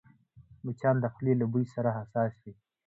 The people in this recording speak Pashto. مچان د خولې له بوی سره حساس وي